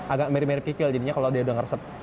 agak mirip mirip kecil jadinya kalau dia udah ngeresep